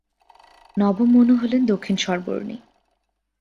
নবম মনু হলেন দক্ষিণ-সর্বর্ণী।